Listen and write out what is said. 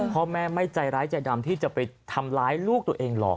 พ่อแม่ไม่ใจร้ายใจดำที่จะไปทำร้ายลูกตัวเองหรอก